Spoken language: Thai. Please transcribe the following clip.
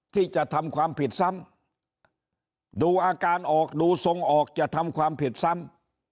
ที่จะทำความผิดซ้ำดูอาการออกดูทรงออกจะทำความผิดซ้ำ